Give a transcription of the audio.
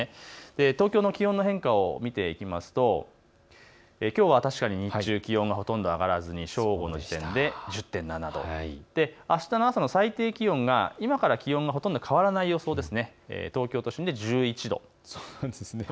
東京の気温の変化を見ていきますときょうは確かに日中、気温がほとんど上がらず正午の時点で１０．７度、あしたの朝の最低気温、ほとんど変わらない予想です。